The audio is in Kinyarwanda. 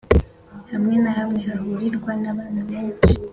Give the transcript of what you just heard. hamwe na hamwe hahurirwa n abantu benshi